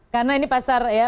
karena ini pasar ya